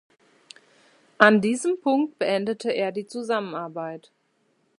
An diesem Punkt beendete er die Zusammenarbeit.